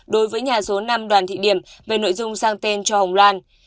đối với nhà số năm đoàn thị điểm về nội dung sang tên cho hồng loan